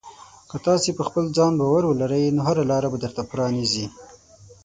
که تاسې په خپل ځان باور ولرئ، نو هره لاره به درته پرانیزي.